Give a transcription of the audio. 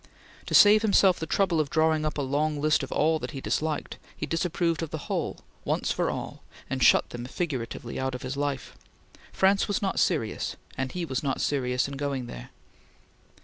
To save himself the trouble of drawing up a long list of all that he disliked, he disapproved of the whole, once for all, and shut them figuratively out of his life. France was not serious, and he was not serious in going there.